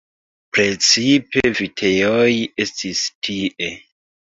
Precipe vitejoj estis tie.